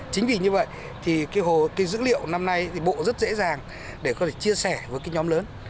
chính vì như vậy thì dữ liệu năm nay bộ rất dễ dàng để có thể chia sẻ với nhóm lớn